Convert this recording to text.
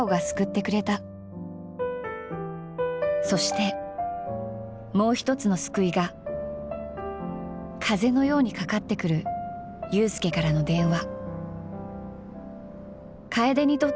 そしてもう一つの救いが風のようにかかってくる裕介からの電話。